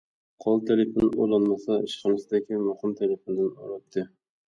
قول تېلېفون ئۇلانمىسا، ئىشخانىسىدىكى مۇقىم تېلېفوندىن ئۇراتتى.